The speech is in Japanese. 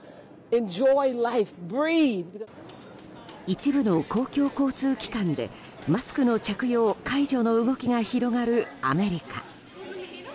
一部の公共交通機関でマスクの着用解除の動きが広がるアメリカ。